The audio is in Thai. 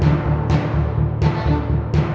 ร้องได้ให้ร้อง